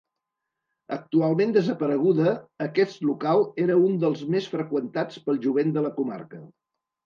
Actualment desapareguda, aquest local era un dels més freqüentats pel jovent de la comarca.